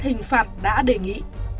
hình phạt đã đề nghị